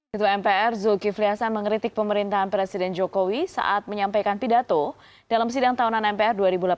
ketua mpr zulkifli hasan mengeritik pemerintahan presiden jokowi saat menyampaikan pidato dalam sidang tahunan mpr dua ribu delapan belas